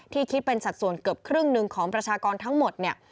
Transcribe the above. ที่คิดเป็นสัตว์ส่วนเกือบ๕๐ของประชากรทั้งหมดเนี่ย